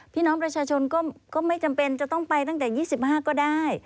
พี่น้องประชาชนก็ไม่จำเป็นจะต้องไปตั้งแต่๒๕ก็ได้